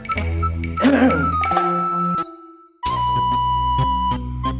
kadang suomep spesifik lagi